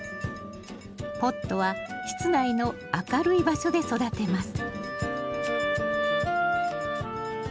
ポットは室内の明るい場所で育てます